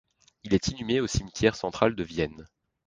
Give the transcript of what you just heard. Il est inhumé au cimetière central de Vienne.